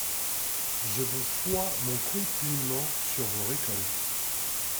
Je vous fois mon compliment sur vos récoltes.